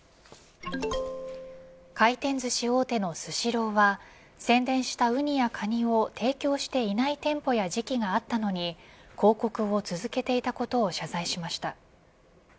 回転ずし大手のスシローは宣伝したウニやカニを提供していない店舗や時期があったのに広告を続けていたことを謝罪しました。